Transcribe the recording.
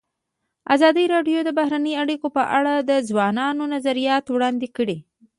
ازادي راډیو د بهرنۍ اړیکې په اړه د ځوانانو نظریات وړاندې کړي.